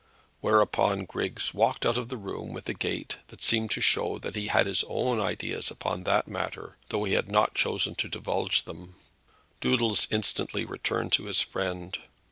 Whereupon Griggs walked out of the room with a gait that seemed to show that he had his own ideas upon that matter, though he did not choose to divulge them. Doodles instantly returned to his friend.